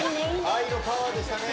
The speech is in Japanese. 愛のパワーでしたね。